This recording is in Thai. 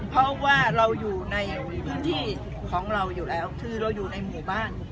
เพราะว่าเราอยู่ในพื้นที่ของเราอยู่แล้วคือเราอยู่ในหมู่บ้าน